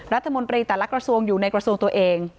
รัฐมนตรีแต่ละกระทรวงอยู่ในกระทรวงตัวเอง